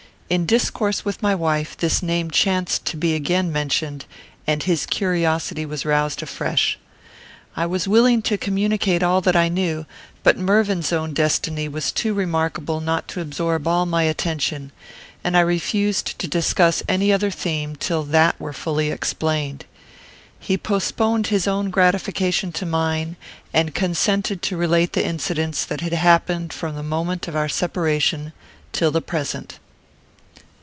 In discourse with my wife, this name chanced to be again mentioned, and his curiosity was roused afresh. I was willing to communicate all that I knew, but Mervyn's own destiny was too remarkable not to absorb all my attention, and I refused to discuss any other theme till that were fully explained. He postponed his own gratification to mine, and consented to relate the incidents that had happened from the moment of our separation till the present.